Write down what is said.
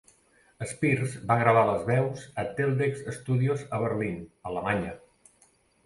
Spears va gravar les veus a Teldex Studios a Berlín, Alemanya.